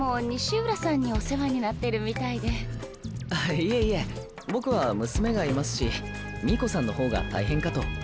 いえいえ僕は娘がいますしミイコさんのほうが大変かと。